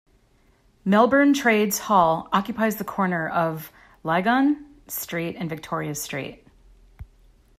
Melbourne Trades Hall occupies the corner of Lygon Street and Victoria Street.